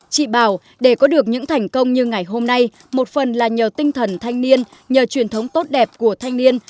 chị bảo để có được những thành công như ngày hôm nay một phần là nhờ tinh thần thanh niên nhờ truyền thống tốt đẹp của thanh niên